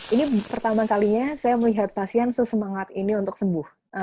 ini pertama kalinya saya melihat pasien sesemangat ini untuk sembuh